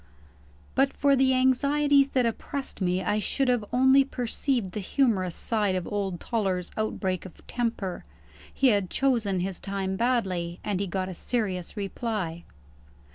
But for the anxieties that oppressed me, I should have only perceived the humorous side of old Toller's outbreak of temper. He had chosen his time badly, and he got a serious reply.